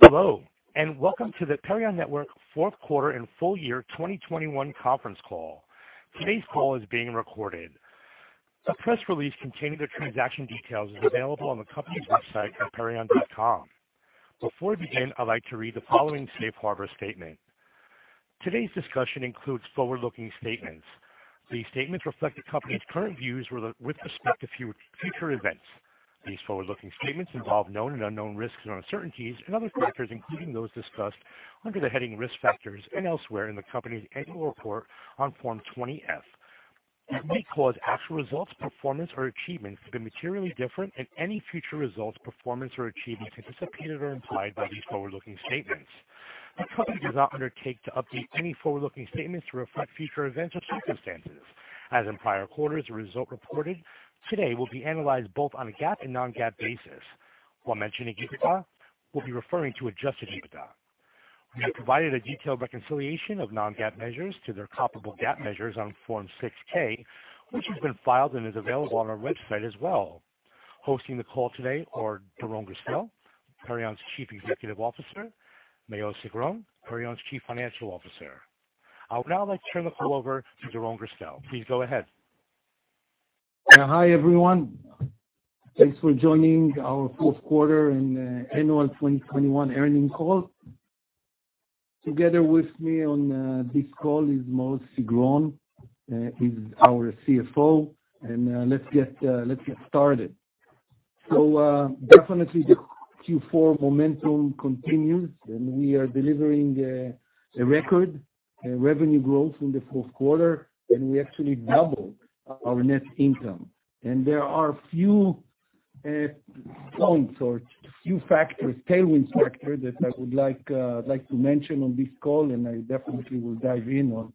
Hello, and welcome to the Perion Network Q4 and Full Year 2021 Conference Call. Today's call is being recorded. A press release containing the transaction details is available on the company's website at perion.com. Before we begin, I'd like to read the following safe harbor statement. Today's discussion includes forward-looking statements. These statements reflect the company's current views with respect to future events. These forward-looking statements involve known and unknown risks and uncertainties and other factors, including those discussed under the heading Risk Factors and elsewhere in the company's annual report on Form 20-F. They may cause actual results, performance or achievements to be materially different, and any future results, performance or achievements anticipated or implied by these forward-looking statements. The company does not undertake to update any forward-looking statements to reflect future events or circumstances. As in prior quarters, the result reported today will be analyzed both on a GAAP and non-GAAP basis. While mentioning EBITDA, we'll be referring to adjusted EBITDA. We have provided a detailed reconciliation of non-GAAP measures to their comparable GAAP measures on Form 6-K, which has been filed and is available on our website as well. Hosting the call today are Doron Gerstel, Perion's Chief Executive Officer, Maoz Sigron, Perion's Chief Financial Officer. I would now like to turn the call over to Doron Gerstel. Please go ahead. Hi, everyone. Thanks for joining our Q4 and Annual 2021 Earnings Call. Together with me on this call is Maoz Sigron, he's our CFO. Let's get started. Definitely the Q4 momentum continues, and we are delivering a record revenue growth in the Q4, and we actually doubled our net income. There are few points or few factors, tailwind factors that I would like to mention on this call, and I definitely will dive in on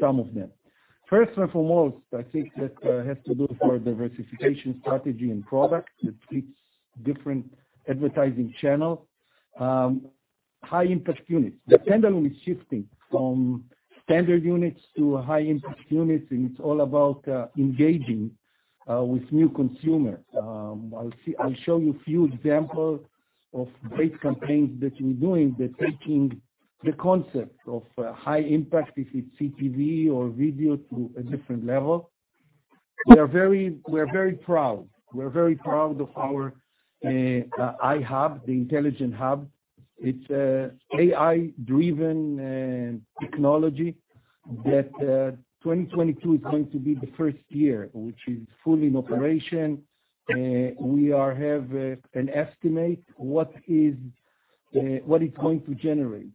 some of them. First and foremost, I think that has to do with our diversification strategy and product that treats different advertising channel high impact units. The pendulum is shifting from standard units to high impact units, and it's all about engaging with new consumers. I'll show you a few examples of great campaigns that we're doing, taking the concept of high impact, if it's CTV or video, to a different level. We are very proud of our iHub, the intelligent hub. It's AI-driven technology that 2022 is going to be the first year which is fully in operation. We have an estimate of what it's going to generate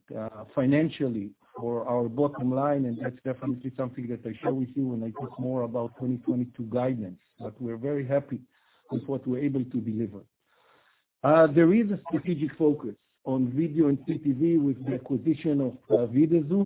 financially for our bottom line, and that's definitely something that I share with you when I talk more about 2022 guidance. We're very happy with what we're able to deliver. There is a strategic focus on video and CTV with the acquisition of Vidazoo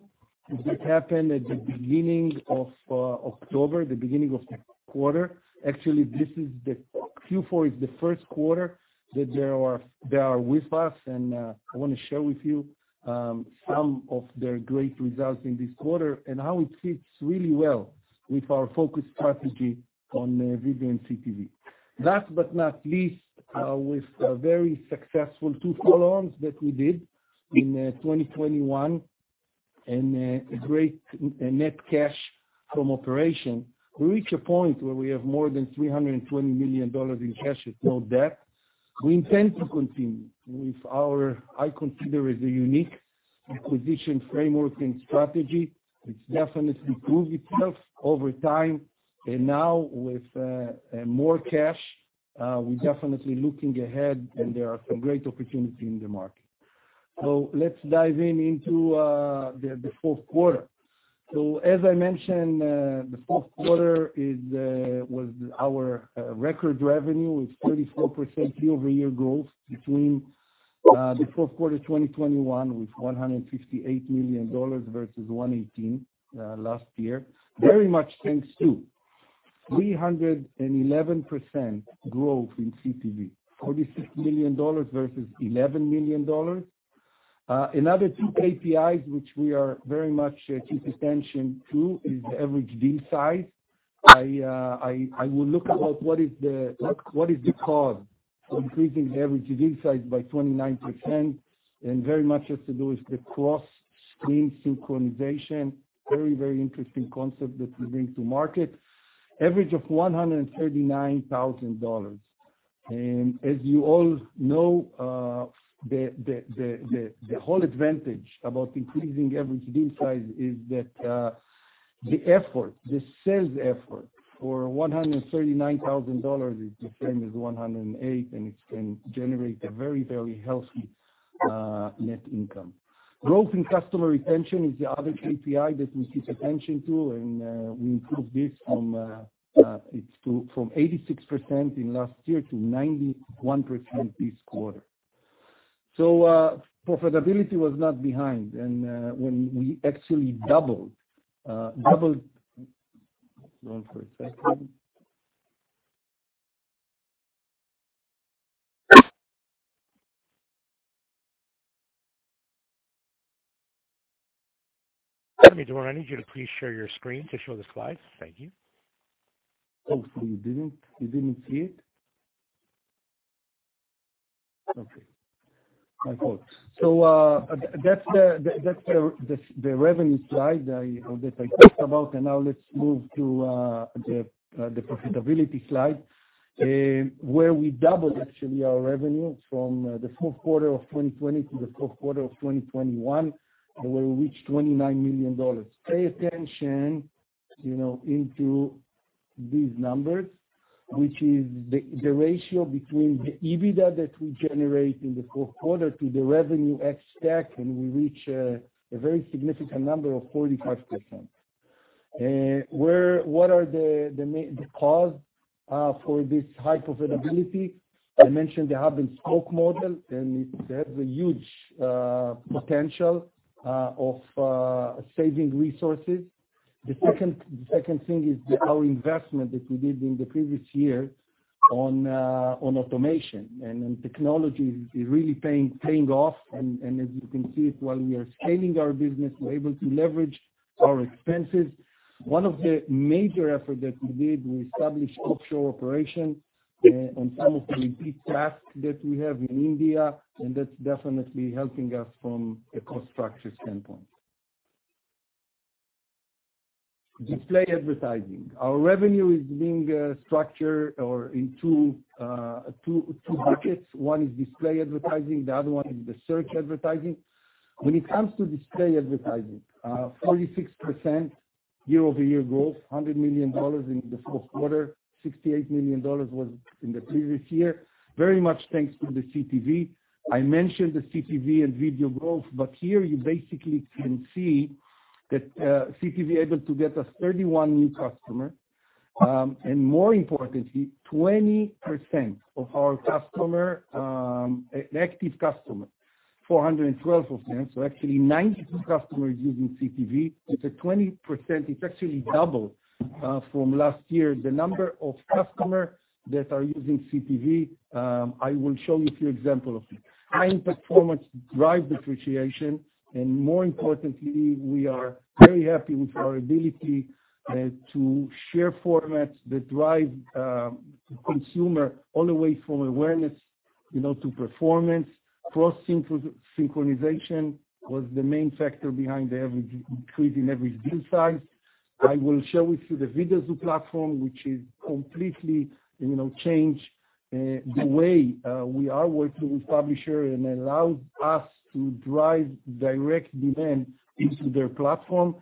that happened at the beginning of October, the beginning of the quarter. Actually, Q4 is the Q1 that they are with us, and I wanna share with you some of their great results in this quarter and how it fits really well with our focus strategy on video and CTV. Last but not least, with a very successful two follow-ons that we did in 2021, and a great net cash from operation, we reach a point where we have more than $320 million in cash with no debt. We intend to continue with our, I consider is a unique acquisition framework and strategy, which definitely proved itself over time. Now with more cash, we're definitely looking ahead and there are some great opportunity in the market. Let's dive into the Q4. As I mentioned, the Q4 was our record revenue with 34% year-over-year growth between the Q4 of 2021 with $158 million versus $118 million last year. Very much thanks to 311% growth in CTV, $46 million versus $11 million. Another two KPIs which we very much pay attention to is average deal size. I will talk about what is the cause for increasing average deal size by 29%, and very much has to do with the cross-screen synchronization. Very, very interesting concept that we bring to market. Average of $139,000. As you all know, the whole advantage about increasing average deal size is that the effort, the sales effort for $139,000 is the same as $108,000, and it can generate a very healthy net income. Growth in customer retention is the other KPI that we keep attention to, and we improved this from 86% in last year to 91% this quarter. Profitability was not behind and when we actually doubled. Doron, I need you to please share your screen to show the slides. Thank you. Oh, you didn't see it? Okay. My fault. That's the revenue slide that I talked about, and now let's move to the profitability slide, where we doubled actually our revenue from the Q4 of 2020 to the Q4 of 2021, and we reached $29 million. Pay attention, you know, to these numbers, which is the ratio between the EBITDA that we generate in the Q4 to the revenue ex-TAC, and we reach a very significant number of 45%. What are the main causes for this high profitability? I mentioned the hub-and-spoke model, and it has a huge potential of saving resources. The second thing is our investment that we did in the previous year on automation and technology is really paying off. As you can see, while we are scaling our business, we're able to leverage our expenses. One of the major effort that we did, we established offshore operation on some of the tasks that we have in India, and that's definitely helping us from a cost structure standpoint. Display advertising. Our revenue is being structured into two buckets. One is display advertising, the other one is the search advertising. When it comes to display advertising, 46% year-over-year growth, $100 million in the Q4, $68 million was in the previous year. Very much thanks to the CTV. I mentioned the CTV and video growth, but here you basically can see that CTV able to get us 31 new customer, and more importantly, 20% of our customer, active customer, 412 of them, so actually 92 customers using CTV. It's a 20%, it's actually double from last year, the number of customer that are using CTV, I will show you a few example of it. High-performance drive differentiation, and more importantly, we are very happy with our ability to share formats that drive consumer all the way from awareness, you know, to performance. Cross synchronization was the main factor behind the average increase in average deal size. I will show it to the Vidazoo platform, which is completely, you know, changing the way we are working with publishers and allows us to drive direct demand into their platform.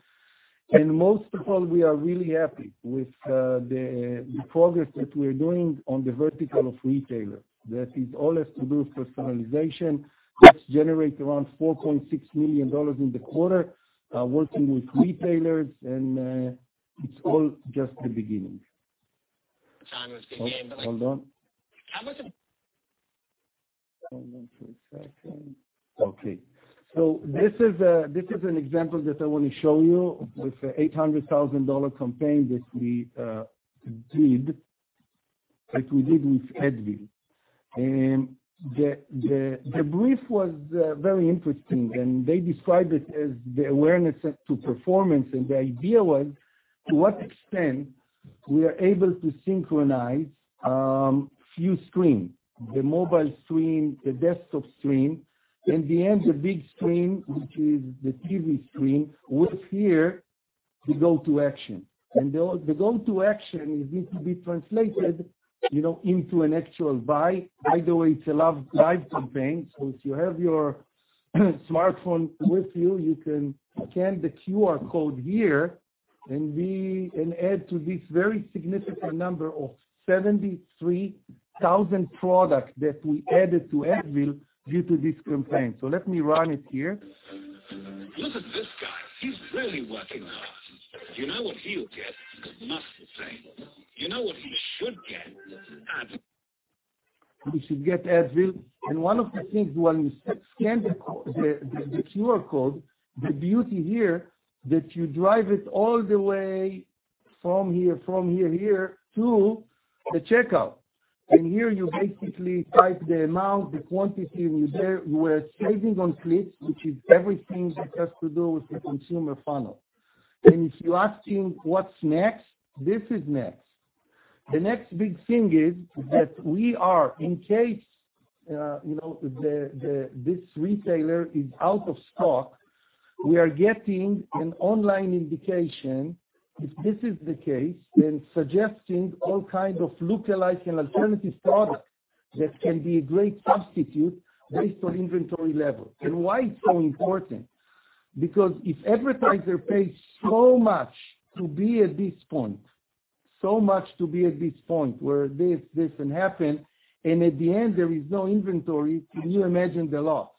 Most of all, we are really happy with the progress that we're doing on the vertical of retailer. That all has to do with personalization. We generated around $4.6 million in the quarter working with retailers and it's all just the beginning. Hold on for a second. Okay. This is an example that I wanna show you with an $800,000 dollar campaign that we did with Advil. The brief was very interesting, and they described it as the awareness up to performance. The idea was to what extent we are able to synchronize a few screens, the mobile screen, the desktop screen. In the end, the big screen, which is the TV screen, watch here to call to action. The call to action needs to be translated into an actual buy. By the way, it's a live campaign, so if you have your smartphone with you can scan the QR code here and add to this very significant number of 73,000 products that we added to Advil due to this campaign. Let me run it here. Look at this guy. He's really working hard. You know what he'll get? Muscle pain. You know what he should get? Advil. You should get Advil. One of the things, when you scan the code, the QR code, the beauty here that you drive it all the way from here to the checkout. Here you basically type the amount, the quantity, and you're there. We're saving on clicks, which is everything that has to do with the consumer funnel. If you're asking what's next, this is next. The next big thing is that we are in case this retailer is out of stock, we are getting an online indication. If this is the case, then suggesting all kinds of lookalike and alternative products that can be a great substitute based on inventory level. Why it's so important? Because if advertiser pays so much to be at this point where this can happen, and at the end, there is no inventory, can you imagine the loss?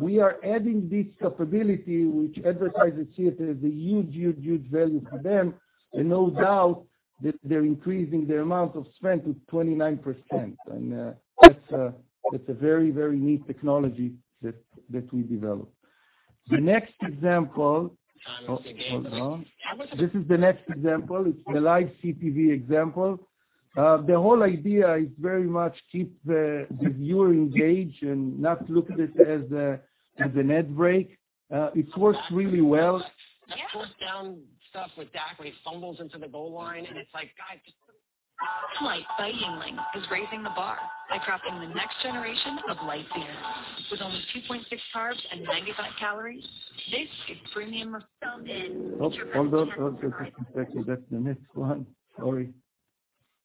We are adding this capability, which advertisers see it as a huge value for them. No doubt that they're increasing their amount of spend to 29%. That's a very neat technology that we developed. The next example. Hold on. This is the next example. It's the live CTV example. The whole idea is very much keep the viewer engaged and not look at it as an ad break. It works really well. That fourth down stuff with Dak when he fumbles into the goal line and it's like, guys, just. Light by Yuengling is raising the bar by crafting the next generation of light beer. With only 2.6 carbs and 95 calories, this is premium. Although that's the next one. Sorry.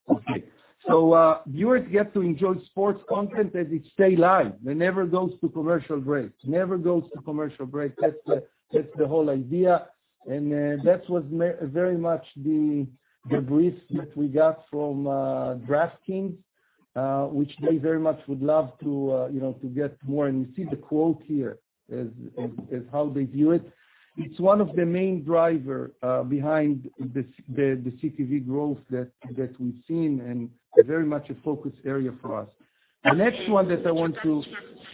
Okay. Viewers get to enjoy sports content as it stays live. It never goes to commercial breaks. That's the whole idea. That was very much the brief that we got from DraftKings, which they very much would love to, you know, to get more. You see the quote here as how they view it. It's one of the main drivers behind the CTV growth that we've seen and very much a focus area for us. The next one that I want to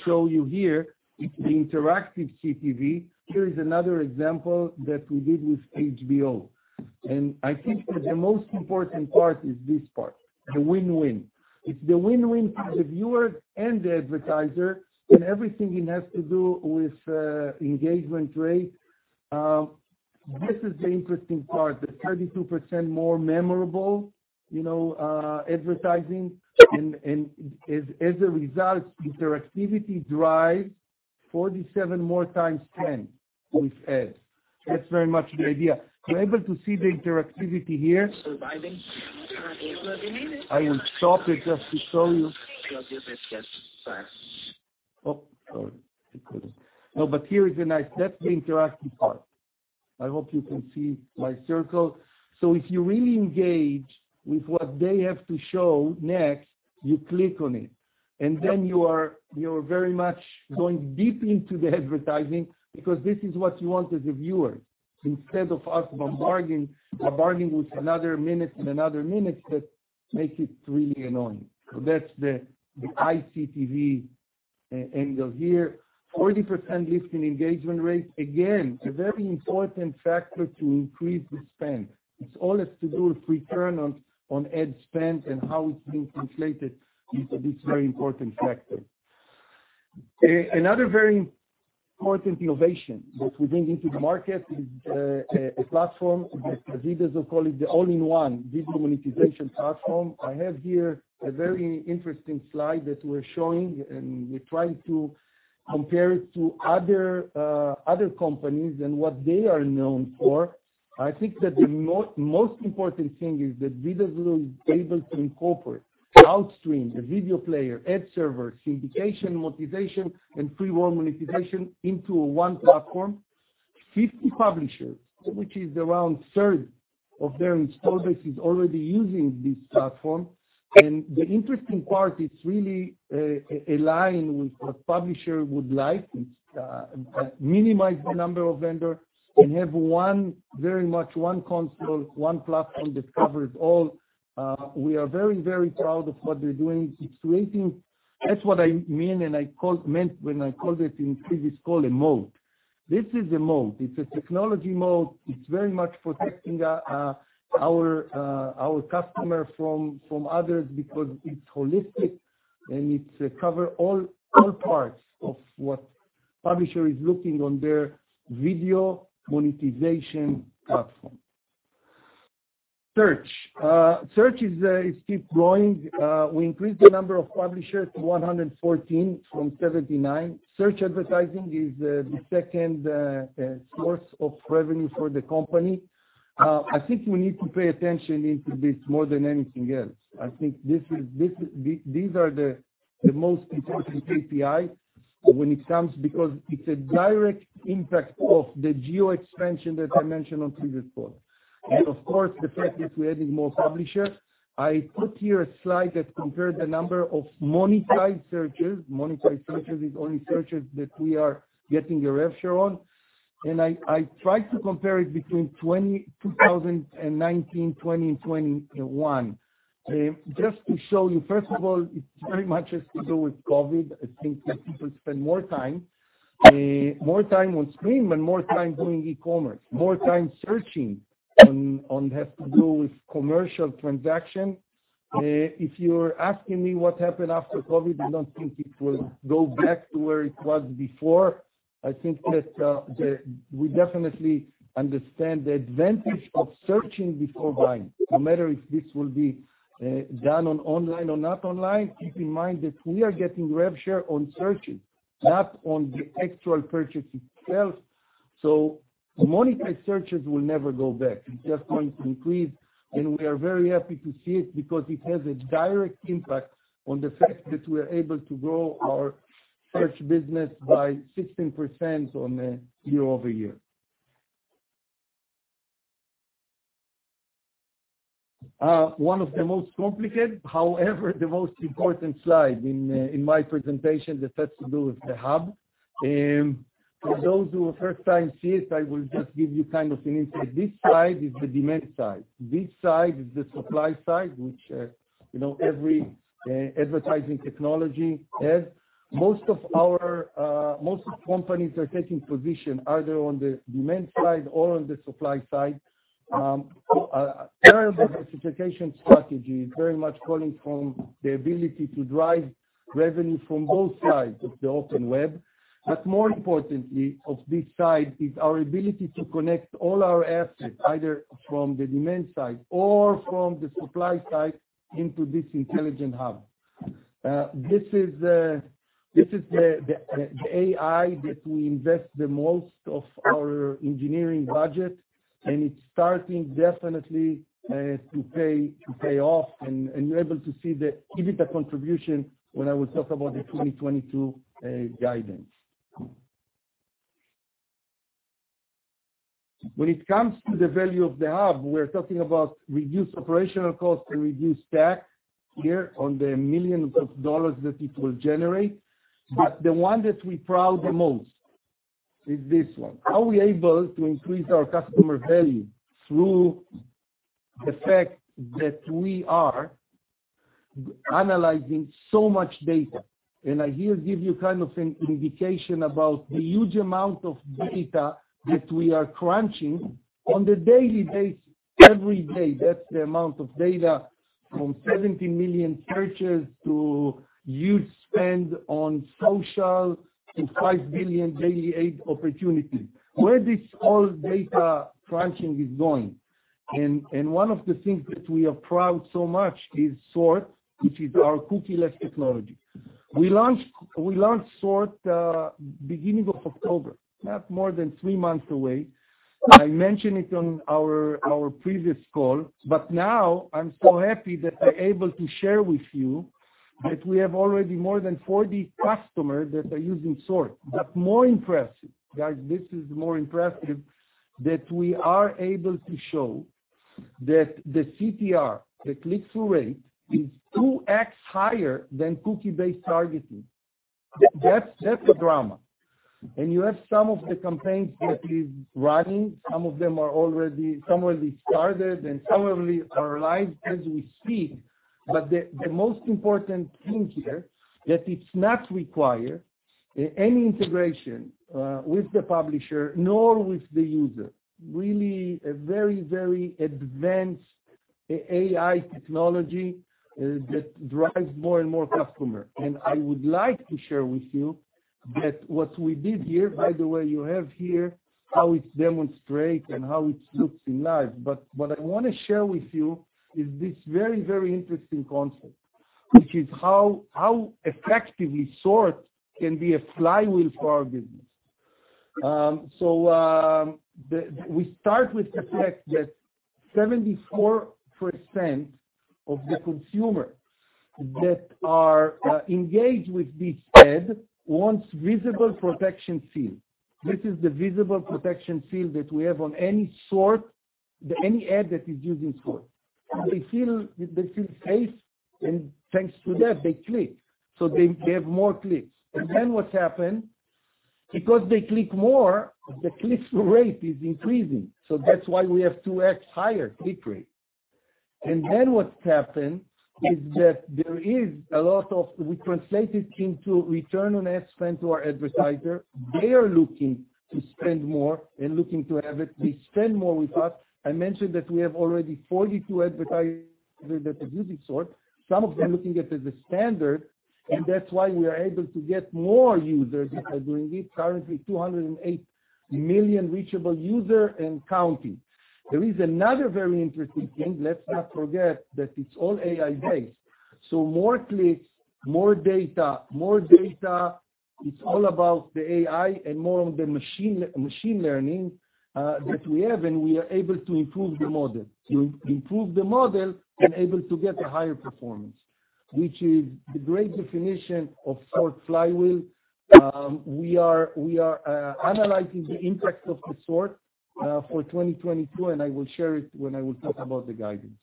show you here is the interactive CTV. Here is another example that we did with HBO. I think that the most important part is this part, the win-win. It's the win-win for the viewer and the advertiser, and everything it has to do with engagement rate. This is the interesting part, the 32% more memorable advertising. As a result, interactivity drives 47 more times 10 with ads. That's very much the idea. You're able to see the interactivity here? Surviving. I will stop it just to show you. Oh, sorry. It couldn't. No, but here is a nice. That's the interactive part. I hope you can see my circle. If you really engage with what they have to show next, you click on it. Then you are very much going deep into the advertising because this is what you want as a viewer. Instead of us bargaining with another minute that makes it really annoying. That's the ICTV angle here. 40% lift in engagement rates, again, a very important factor to increase the spend. It all has to do with return on ad spend and how it's being translated into this very important factor. Another very important innovation that we bring into the market is a platform that Vidazoo calls the all-in-one video monetization platform. I have here a very interesting slide that we're showing, and we're trying to compare it to other companies and what they are known for. I think that the most important thing is that Vidazoo is able to incorporate outstream, the video player, ad server, syndication, monetization, and FreeWheel monetization into one platform. 50 publishers, which is around a third of their install base, are already using this platform. The interesting part is really a line which the publisher would like. It's minimize the number of vendors and have one, very much one console, one platform that covers all. We are very, very proud of what we're doing. It's creating. That's what I mean and meant when I called it in previous call a moat. This is a moat. It's a technology moat. It's very much protecting our customer from others because it's holistic and it cover all parts of what publisher is looking on their video monetization platform. Search. Search is keep growing. We increased the number of publishers to 114 from 79. Search advertising is the second source of revenue for the company. I think we need to pay attention to this more than anything else. I think these are the most important KPI when it comes, because it's a direct impact of the geo expansion that I mentioned on previous call. Of course, the fact that we're adding more publishers. I put here a slide that compared the number of monetized searches. Monetized searches is only searches that we are getting a rev share on. I tried to compare it between 2019, 2020, and 2021. Just to show you, first of all, it very much has to do with COVID. I think that people spend more time on screen and more time doing e-commerce, more time searching on it has to do with commercial transaction. If you're asking me what happened after COVID, I don't think it will go back to where it was before. I think that we definitely understand the advantage of searching before buying, no matter if this will be done on online or not online. Keep in mind that we are getting rev share on searches, not on the actual purchase itself. The monetized searches will never go back. It's just going to increase, and we are very happy to see it because it has a direct impact on the fact that we're able to grow our search business by 16% year-over-year. One of the most complicated, however, the most important slide in my presentation that has to do with the hub. For those who are first time seeing it, I will just give you kind of an insight. This slide is the demand side. This side is the supply side, which, you know, every advertising technology has. Most companies are taking position either on the demand side or on the supply side. Our diversification strategy is very much coming from the ability to drive revenue from both sides of the open web. More importantly, on this side is our ability to connect all our assets, either from the demand side or from the supply side into this intelligent hub. This is the AI that we invest the most of our engineering budget, and it's starting definitely to pay off. You're able to see the EBITDA contribution when I will talk about the 2022 guidance. When it comes to the value of the hub, we're talking about reduced operational costs and reduced costs in the millions of dollars that it will generate. The one that we are proud of the most is this one. Are we able to increase our customer value through the fact that we are analyzing so much data? I here give you kind of an indication about the huge amount of data that we are crunching on the daily basis every day. That's the amount of data from 70 million searches to huge spend on social and 5 million daily ad opportunities. Where this all data crunching is going, one of the things that we are proud of so much is SORT, which is our cookieless technology. We launched SORT beginning of October, not more than three months away. I mentioned it on our previous call, but now I'm so happy that I'm able to share with you that we have already more than 40 customers that are using SORT. More impressive, guys, this is more impressive that we are able to show that the CTR, the click-through rate, is 2x higher than cookie-based targeting. That's the drama. You have some of the campaigns that is running. Some of them are already started, and some already are live as we speak. The most important thing here that it does not require any integration with the publisher, nor with the user. Really a very advanced AI technology that drives more and more customer. I would like to share with you that what we did here, by the way, you have here how it demonstrate and how it looks in life. What I wanna share with you is this very interesting concept, which is how effectively SORT can be a flywheel for our business. We start with the fact that 74% of the consumer that are engaged with this ad wants visible protection seal. This is the visible protection seal that we have on any SORT, any ad that is using SORT. They feel safe, and thanks to that, they click. They have more clicks. Then what's happened, because they click more, the click-through rate is increasing. That's why we have 2x higher click rate. Then what's happened is that we translated into return on ad spend to our advertiser. They are looking to spend more and looking to have it. They spend more with us. I mentioned that we have already 42 advertisers that are using SORT, some of them looking at it as standard, and that's why we are able to get more users that are doing it. Currently, 208 million reachable user and counting. There is another very interesting thing. Let's not forget that it's all AI-based. So more clicks, more data. More data, it's all about the AI and more of the machine learning that we have, and we are able to improve the model. To improve the model and able to get a higher performance, which is the great definition of SORT flywheel. We are analyzing the impact of the SORT for 2022, and I will share it when I will talk about the guidance.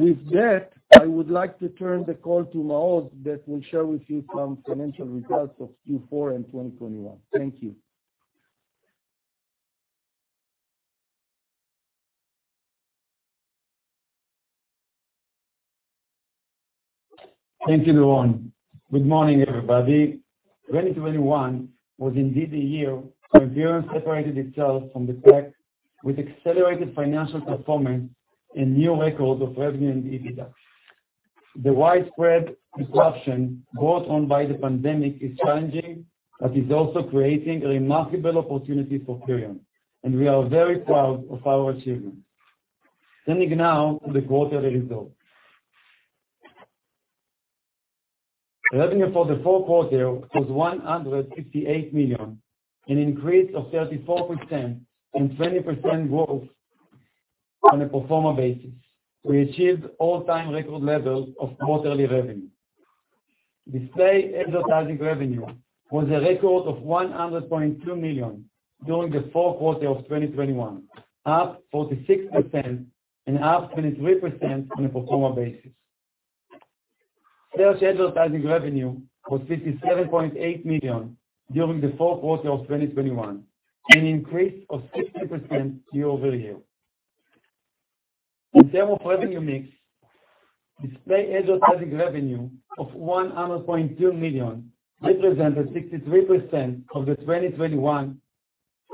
With that, I would like to turn the call to Maoz that will share with you some financial results of Q4 and 2021. Thank you. Thank you, Doron. Good morning, everybody. 2021 was indeed the year when Perion separated itself from the pack with accelerated financial performance and new records of revenue and EBITDA. The widespread disruption brought on by the pandemic is challenging, but is also creating remarkable opportunities for Perion, and we are very proud of our achievements. Turning now to the quarterly results. Revenue for the Q4 was $158 million, an increase of 34% and 20% growth on a pro forma basis. We achieved all-time record levels of quarterly revenue. Display advertising revenue was a record of $100.2 million during the Q4 of 2021, up 46% and up 23% on a pro forma basis. Search advertising revenue was $57.8 million during the Q4 of 2021, an increase of 60% year-over-year. In terms of revenue mix, display advertising revenue of $100.2 million represented 63% of the 2021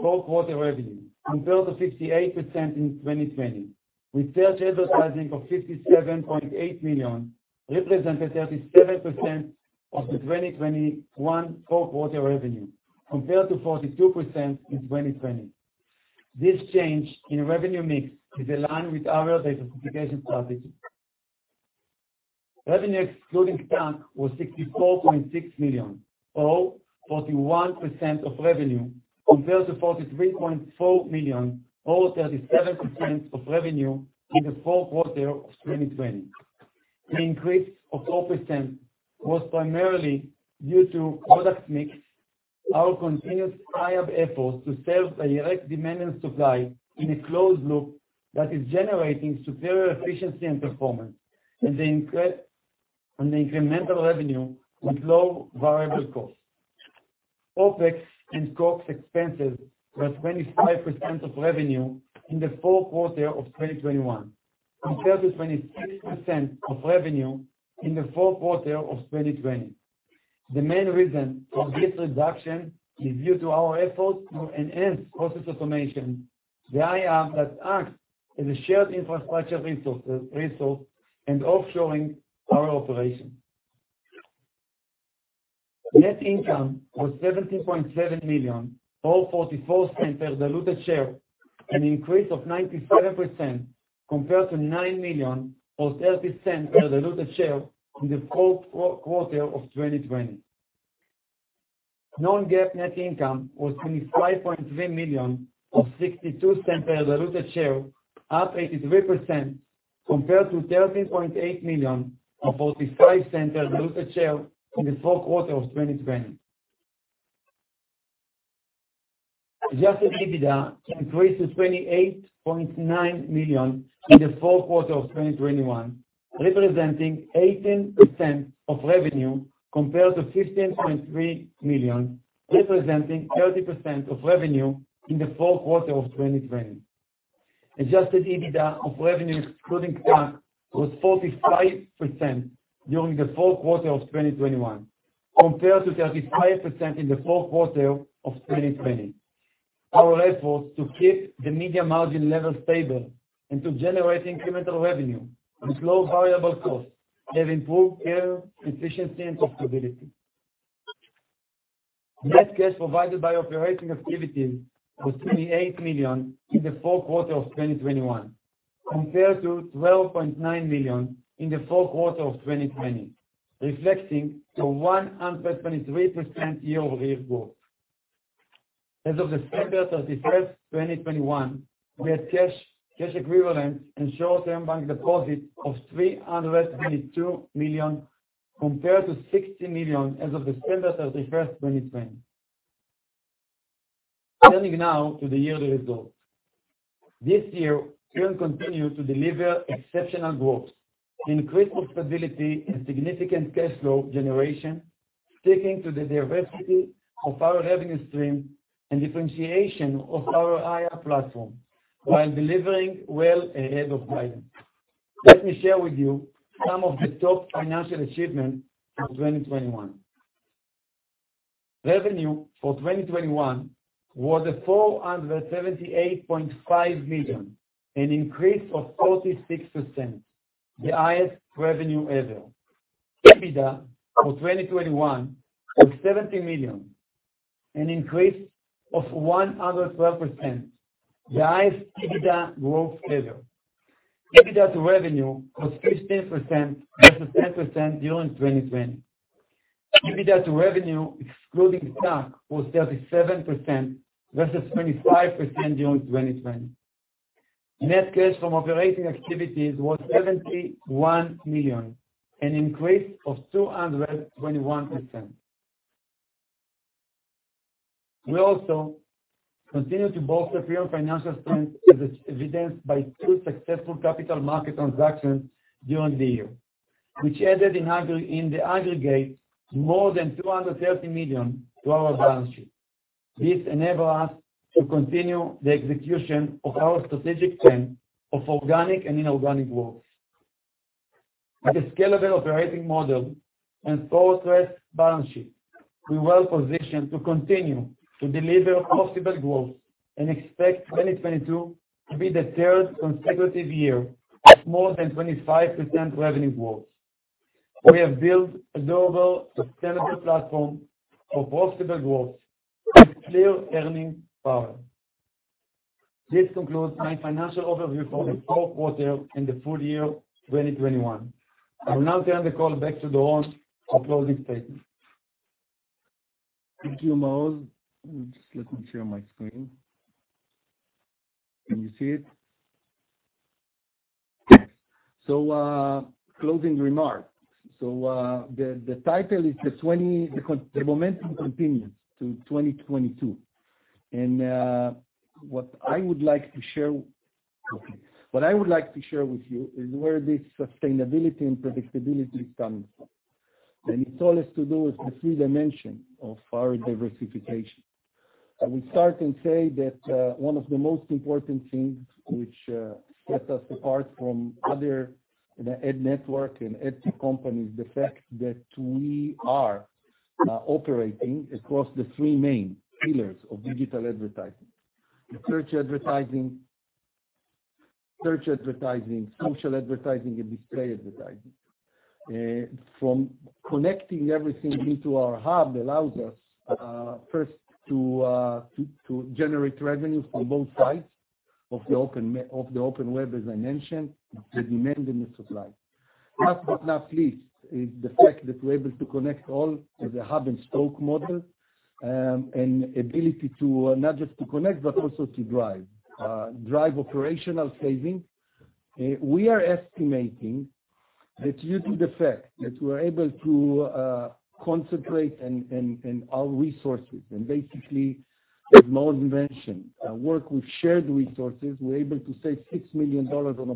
full-year revenue, compared to 58% in 2020, with search advertising of $57.8 million represented 37% of the 2021 full-year revenue, compared to 42% in 2020. This change in revenue mix is aligned with our diversification strategy. Revenue excluding TAC was $64.6 million or 41% of revenue, compared to $43.4 million or 37% of revenue in the Q4 of 2020. The increase of 4% was primarily due to product mix, our continuous AI efforts to serve the direct demand and supply in a closed loop that is generating superior efficiency and performance and the incremental revenue with low variable costs. OpEx and COGS expenses were 25% of revenue in the Q4 of 2021, compared to 26% of revenue in the Q4 of 2020. The main reason for this reduction is due to our efforts to enhance process automation, the iHub that acts as a shared infrastructure resource and offshoring our operations. Net income was $17.7 million or $0.44 per diluted share, an increase of 97% compared to $9 million or $0.30 per diluted share in the Q4 of 2020. Non-GAAP net income was $25.3 million or $0.62 per diluted share, up 83% compared to $13.8 million or $0.45 per diluted share in the Q4 of 2020. Adjusted EBITDA increased to $28.9 million in the Q4 of 2021, representing 18% of revenue compared to $15.3 million, representing 30% of revenue in the Q4 of 2020. Adjusted EBITDA of revenue excluding TAC was 45% during the Q4 of 2021 compared to 35% in the Q4 of 2020. Our efforts to keep the media margin level stable and to generate incremental revenue with low variable costs have improved efficiency and profitability. Net cash provided by operating activities was $28 million in the Q4 of 2021 compared to $12.9 million in the Q4 of 2020, reflecting a 123% year-over-year growth. As of December 31, 2021, we had cash equivalents, and short-term bank deposits of $322 million compared to $60 million as of December 31, 2020. Turning now to the yearly results. This year, we have continued to deliver exceptional growth, increased profitability and significant cash flow generation, sticking to the diversity of our revenue stream and differentiation of our AI platform while delivering well ahead of guidance. Let me share with you some of the top financial achievements of 2021. Revenue for 2021 was $478.5 million, an increase of 46%. The highest revenue ever. EBITDA for 2021 was $70 million, an increase of 112%. The highest EBITDA growth ever. EBITDA to revenue was 15% versus 10% during 2020. EBITDA to revenue excluding TAC was 37% versus 25% during 2020. Net cash from operating activities was $71 million, an increase of 221%. We also continue to bolster our financial strength as evidenced by two successful capital market transactions during the year, which ended in the aggregate more than $230 million to our balance sheet. This enables us to continue the execution of our strategic plan of organic and inorganic growth. With a scalable operating model and fortress balance sheet, we're well-positioned to continue to deliver profitable growth and expect 2022 to be the third consecutive year of more than 25% revenue growth. We have built a durable, sustainable platform for profitable growth with clear earning power. This concludes my financial overview for the Q4 and the full year 2021. I will now turn the call back to Doron for closing statements. Thank you, Maoz. Just let me share my screen. Can you see it? Closing remarks. The title is The Momentum Continues to 2022. What I would like to share with you is where this sustainability and predictability comes from. It's all has to do with the three dimension of our diversification. I will start and say that, one of the most important things which, sets us apart from other, you know, ad network and ad tech companies, the fact that we are, operating across the three main pillars of digital advertising. The search advertising, social advertising, and display advertising. From connecting everything into our hub allows us first to generate revenues on both sides of the open web, as I mentioned, the demand and the supply. Last but not least is the fact that we're able to connect all the hub-and-spoke model and ability to not just connect, but also to drive operational savings. We are estimating that due to the fact that we're able to concentrate and our resources and basically, as Maoz Sigron mentioned, work with shared resources, we're able to save $6 million on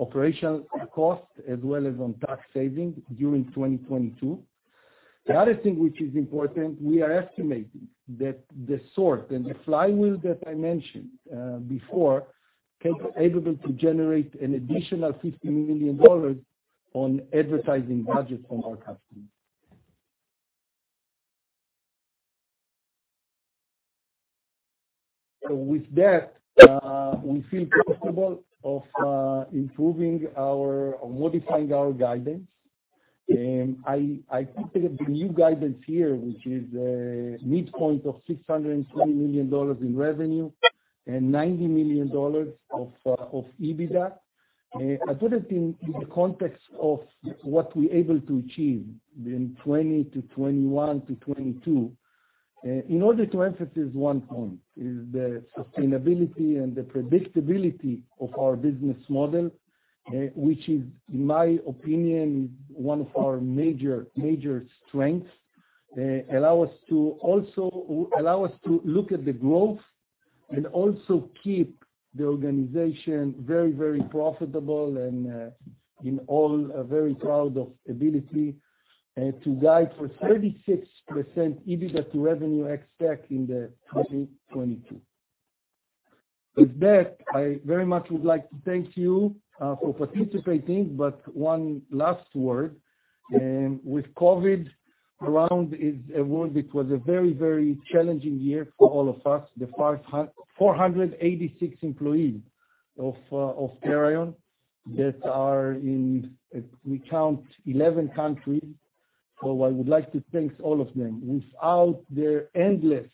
operational costs as well as on tax saving during 2022. The other thing which is important, we are estimating that SORT and the flywheel that I mentioned before can be able to generate an additional $50 million on advertising budgets from our customers. With that, we feel comfortable of improving or modifying our guidance. I think that the new guidance here, which is a midpoint of $620 million in revenue and $90 million of EBITDA, I put it in the context of what we're able to achieve in 2020 to 2021 to 2022 in order to emphasize one point, which is the sustainability and the predictability of our business model, which is, in my opinion, one of our major strengths. Allow us to look at the growth and also keep the organization very profitable and, in all, very proud of our ability to guide for 36% EBITDA to revenue ex-TAC in 2022. With that, I very much would like to thank you for participating. One last word, and with COVID around was a very challenging year for all of us, the 486 employees of Perion that are in 11 countries. I would like to thank all of them. Without their endless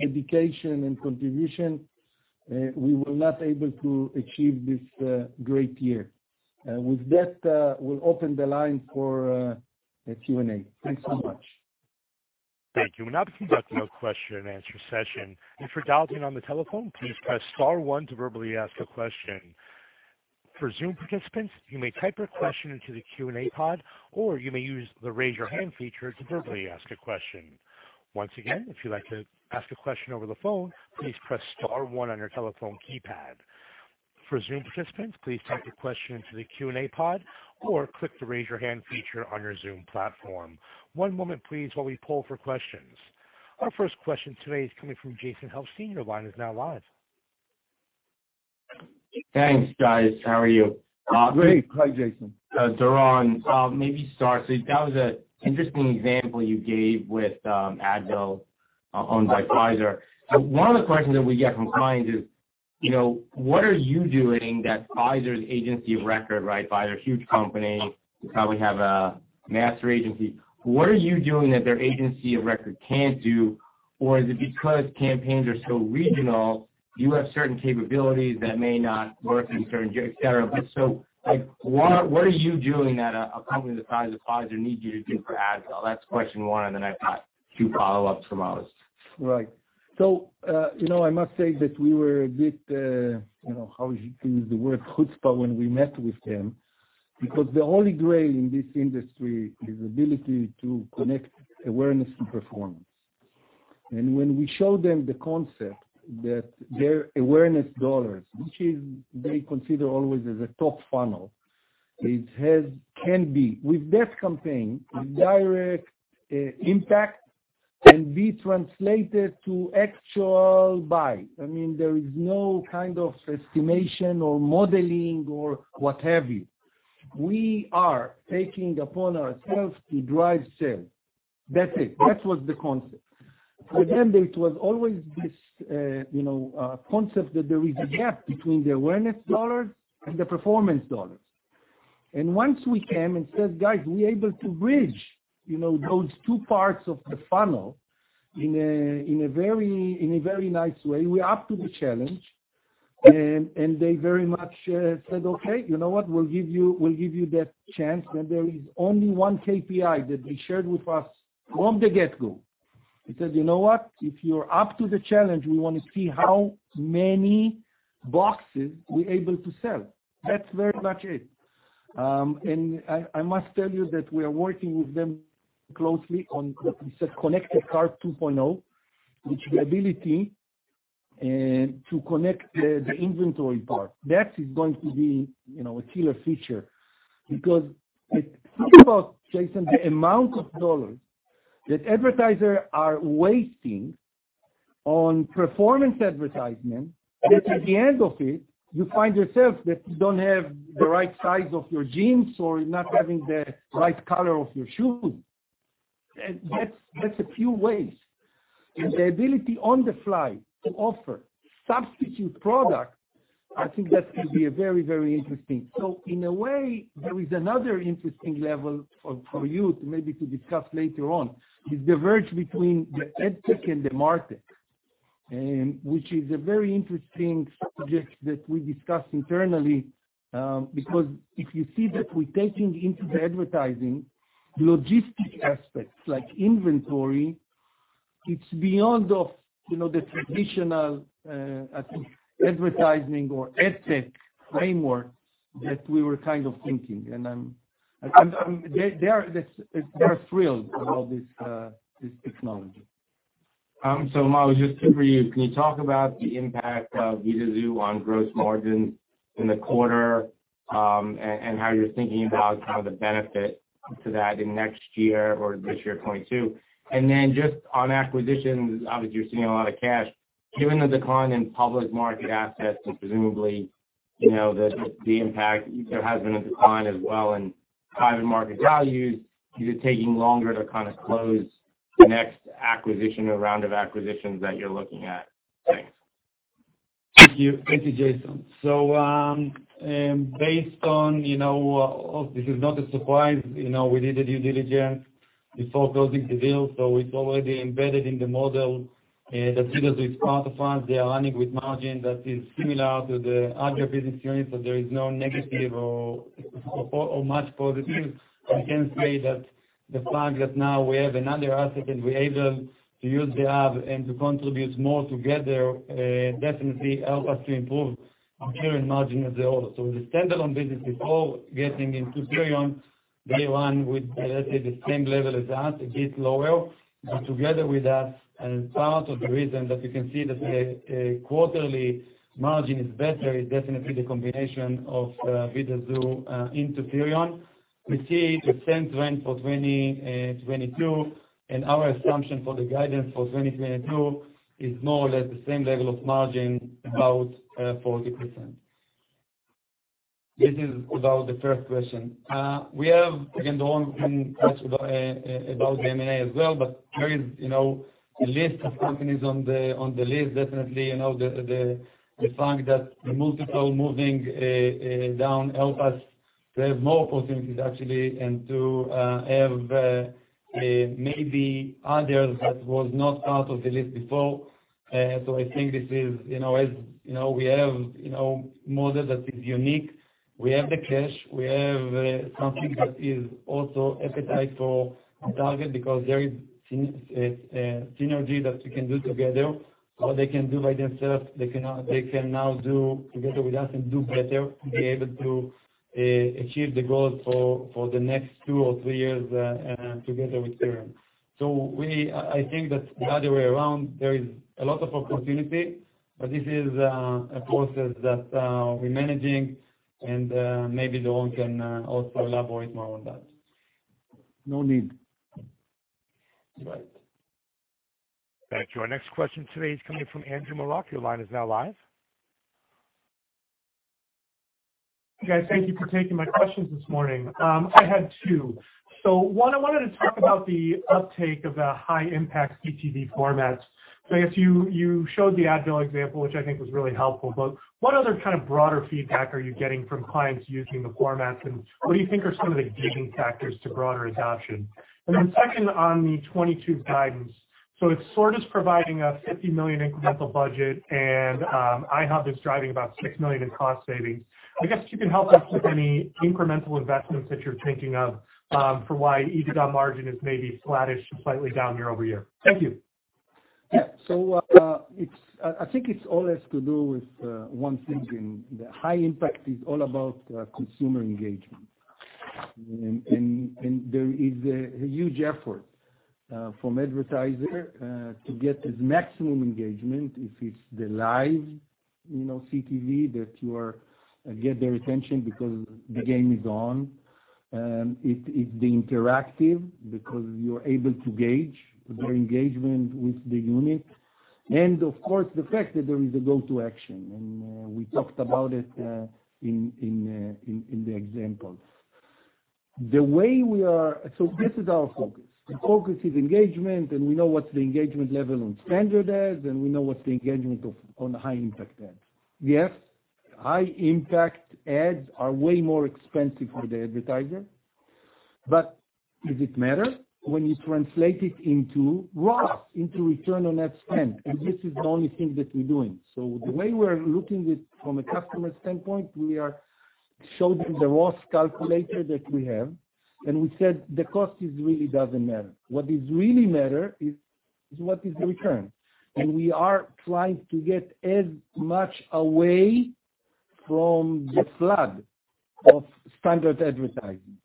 dedication and contribution, we were not able to achieve this great year. With that, we'll open the line for the Q&A. Thanks so much. Thank you. We'll now be conducting our question and answer session. If you're dialing on the telephone, please press star one to verbally ask a question. For Zoom participants, you may type your question into the Q&A pod, or you may use the raise your hand feature to verbally ask a question. Once again, if you'd like to ask a question over the phone, please press star one on your telephone keypad. For Zoom participants, please type your question into the Q&A pod or click the raise your hand feature on your Zoom platform. One moment please while we poll for questions. Our first question today is coming from Jason Helfstein. Your line is now live. Thanks, guys. How are you? Great. Hi, Jason. Doron, maybe start. That was an interesting example you gave with Advil, owned by Pfizer. One of the questions that we get from clients is, you know, what are you doing that Pfizer's agency of record, right? Pfizer, huge company, probably have a master agency. What are you doing that their agency of record can't do? Or is it because campaigns are so regional, you have certain capabilities that may not work in certain geo, et cetera. Like, what are you doing that a company the size of Pfizer need you to do for Advil? That's question one, and then I've got two follow-ups from ours. Right. You know, I must say that we were a bit, you know, how you use the word chutzpah when we met with them, because the holy grail in this industry is ability to connect awareness to performance. When we show them the concept that their awareness dollars, which they consider always as a top funnel, it can be, with that campaign, direct impact can be translated to actual buy. I mean, there is no kind of estimation or modeling or what have you. We are taking upon ourselves to drive sales. That's it. That was the concept. For them, it was always this, you know, concept that there is a gap between the awareness dollars and the performance dollars. Once we came and said, "Guys, we're able to bridge, you know, those two parts of the funnel in a very nice way, we're up to the challenge." They very much said, "Okay, you know what? We'll give you that chance." There is only one KPI that they shared with us from the get-go. They said, "You know what? If you're up to the challenge, we wanna see how many boxes we're able to sell." That's very much it. I must tell you that we are working with them closely on what we said Connected Commerce 2.0, which the ability to connect the inventory part that is going to be, you know, a killer feature because think about, Jason, the amount of dollars that advertisers are wasting on performance advertising that at the end of it, you find yourself that you don't have the right size of your jeans or you're not having the right color of your shoe. That's a few ways. The ability on the fly to offer substitute products, I think that could be a very, very interesting. In a way, there is another interesting level for you to maybe discuss later on, is the merge between the AdTech and the MarTech, which is a very interesting subject that we discuss internally. Because if you see that we're taking into the advertising logistic aspects like inventory, it's beyond of, you know, the traditional, I think advertising or AdTech frameworks that we were kind of thinking, and they are thrilled about this technology. Maoz, just for you, can you talk about the impact of Vidazoo on gross margins in the quarter, and how you're thinking about kind of the benefit to that in next year or this year 2022. Just on acquisitions, obviously you're seeing a lot of cash. Given the decline in public market assets and presumably, you know, the impact, there has been a decline as well in private market values, is it taking longer to kind of close the next acquisition or round of acquisitions that you're looking at? Thanks. Thank you, Jason. Based on, you know, this is not a surprise, you know, we did the due diligence before closing the deal, so it's already embedded in the model, that deals with Vidazoo. They are earning with margin that is similar to the other business units, so there is no negative or much positive. I can say that the fact that now we have another asset, and we're able to use the hub and to contribute more together, definitely help us to improve our current margin as a whole. The standalone business before getting into Perion, they run with, let's say, the same level as us, a bit lower. Together with us, and part of the reason that we can see that the quarterly margin is better is definitely the combination of Vidazoo into Perion. We see the same trend for 2022, and our assumption for the guidance for 2022 is more or less the same level of margin, about 40%. This is about the first question. We have, again, Doron can talk about the M&A as well, but there is a list of companies on the list, definitely. You know, the fact that the multiple moving down help us to have more opportunities actually and to have maybe others that was not part of the list before. I think this is, you know, we have, you know, model that is unique. We have the cash, we have something that is also appetite for Target because there is synergy that we can do together, or they can do by themselves. They can now do together with us and do better to be able to achieve the goals for the next two or three years together with Perion. I think that the other way around, there is a lot of opportunity, but this is a process that we're managing and maybe Doron can also elaborate more on that. No need. Right. Thank you. Our next question today is coming from Andrew Marok. Your line is now live. Guys, thank you for taking my questions this morning. I had two. One, I wanted to talk about the uptake of the high impact CTV formats. I guess you showed the Advil example, which I think was really helpful. What other kind of broader feedback are you getting from clients using the formats, and what do you think are some of the gating factors to broader adoption? Then second, on the 2022 guidance. It's sort of providing a $50 million incremental budget and iHub is driving about $6 million in cost savings. I guess if you can help us with any incremental investments that you're thinking of for why EBITDA margin is maybe flattish to slightly down year-over-year. Thank you. Yeah. I think it all has to do with one thing, and the high impact is all about consumer engagement. There is a huge effort from advertiser to get the maximum engagement. If it's the live, you know, CTV that you get their attention because the game is on. It's the interactive because you're able to gauge their engagement with the unit. Of course, the fact that there is a go-to action, and we talked about it in the examples. This is our focus. The focus is engagement, and we know what's the engagement level on standard ads, and we know what's the engagement on high impact ads. Yes, high impact ads are way more expensive for the advertiser. Does it matter when you translate it into ROAS, into return on ad spend? This is the only thing that we're doing. The way we're looking with, from a customer standpoint, we are showing the ROAS calculator that we have, and we said the cost is really doesn't matter. What is really matter is what is the return. We are trying to get as much away from the flood of standard advertising.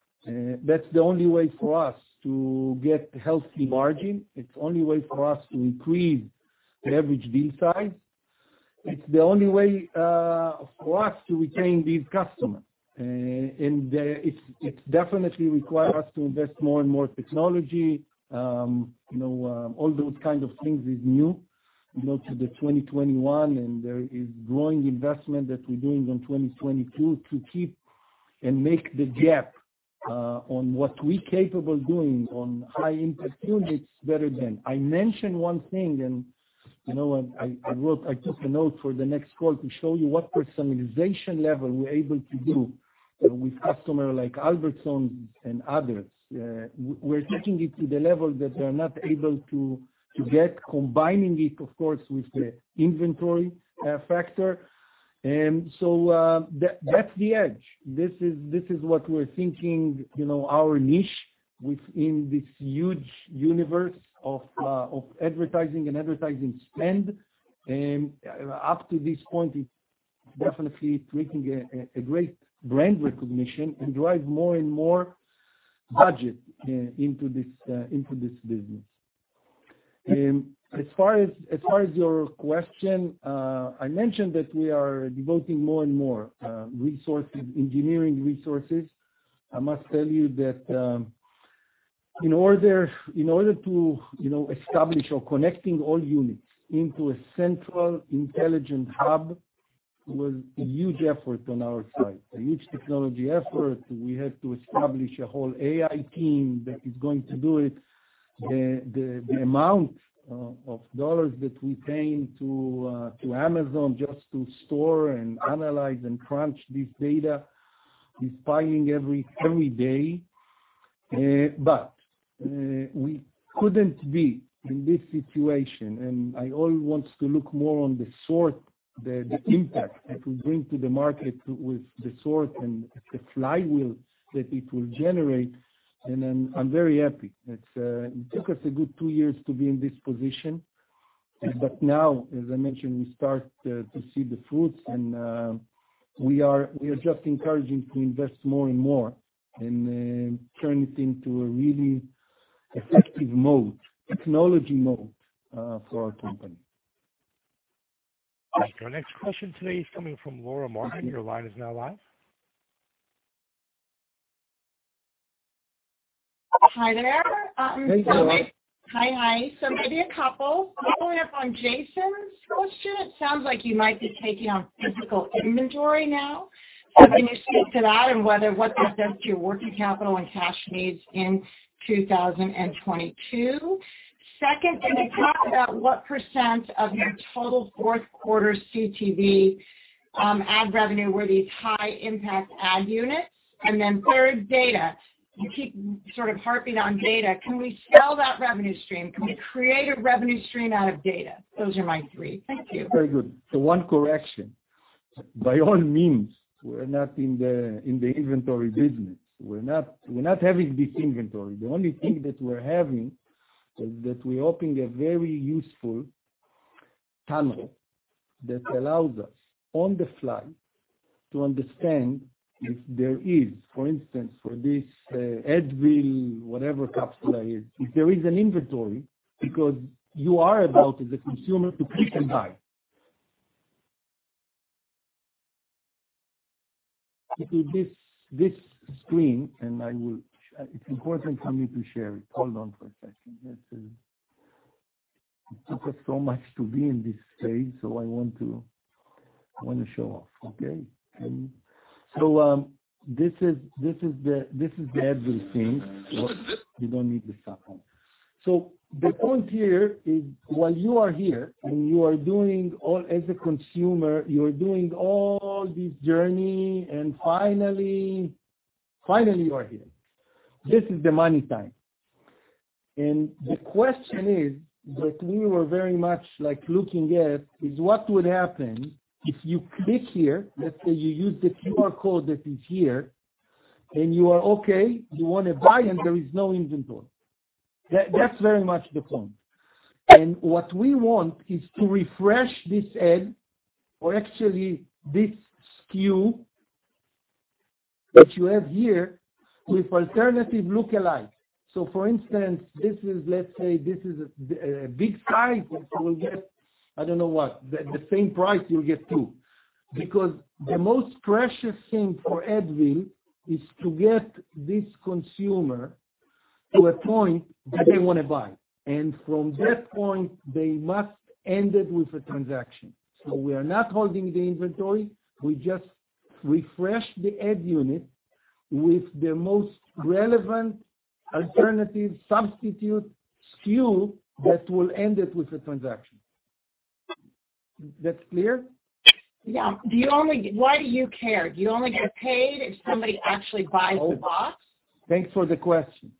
That's the only way for us to get healthy margin. It's only way for us to increase the average deal size. It's the only way for us to retain these customers. It's definitely require us to invest more and more technology. You know, all those kinds of things is new, you know, to 2021, and there is growing investment that we're doing on 2022 to keep and make the gap on what we're capable of doing on high impact units better than. I mentioned one thing, you know. I took a note for the next call to show you what personalization level we're able to do with customer like Albertsons and others. We're taking it to the level that they're not able to get combining it, of course, with the inventory factor. That's the edge. This is what we're thinking, you know, our niche within this huge universe of advertising and advertising spend. Up to this point, it's definitely creating a great brand recognition and drive more and more budget into this business. As far as your question, I mentioned that we are devoting more and more resources, engineering resources. I must tell you that in order to, you know, establish or connecting all units into a central intelligent hub was a huge effort on our side. A huge technology effort, we had to establish a whole AI team that is going to do it. The amount of dollars that we paying to Amazon just to store and analyze and crunch this data is piling every day. We couldn't be in this situation, and I also want to look more into the SORT, the impact that we bring to the market with the SORT and the flywheel that it will generate. I'm very happy. It took us a good 2 years to be in this position. Now, as I mentioned, we start to see the fruits and we are just encouraged to invest more and more and turn it into a really effective mode, technology mode, for our company. Thank you. Our next question today is coming from Laura Martin. Your line is now live. Hi there. Hey, Laura. Hi. Maybe a couple. Following up on Jason's question, it sounds like you might be taking on physical inventory now. Can you speak to that and whether what that does to your working capital and cash needs in 2022? Second, can you talk about what percent of your total Q4 CTV ad revenue were these high impact ad units? Third, data. You keep sort of harping on data. Can we sell that revenue stream? Can we create a revenue stream out of data? Those are my three. Thank you. Very good. One correction. By all means, we're not in the inventory business. We're not having this inventory. The only thing that we're having is that we're opening a very useful tunnel that allows us on the fly to understand if there is, for instance, for this Advil, whatever capsule is, if there is an inventory, because you are about, as a consumer, to click and buy. This screen, and I will. It's important for me to share it. Hold on for a second. Let's see. It took us so much to be in this stage, I want to show off, okay. This is the Advil scene. You don't need the second one. The point here is while you are here and you are doing all this as a consumer, you are doing all this journey and finally, you are here. This is the money time. The question is that we were very much like looking at, is what would happen if you click here, let's say you use the QR code that is here, and you are okay, you wanna buy, and there is no inventory. That's very much the point. What we want is to refresh this ad, or actually this SKU that you have here, with alternative look-alike. For instance, this is, let's say, a big size, which you will get, I don't know what, the same price you'll get two. Because the most precious thing for Advil is to get this consumer to a point that they wanna buy. From that point, they must end it with a transaction. We are not holding the inventory, we just refresh the ad unit with the most relevant alternative substitute SKU that will end it with a transaction. That's clear? Yeah. Why do you care? Do you only get paid if somebody actually buys the box? Thanks for the question.